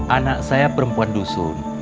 anak saya perempuan dusun